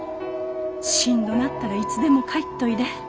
しんどなったらいつでも帰っといで。